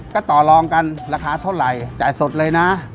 ก็ต่อลองกันราคาเท่าไหร่จ่ายสดเลยนะ